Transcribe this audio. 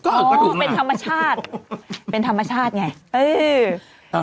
อ๋อเป็นธรรมชาติเป็นธรรมชาติไง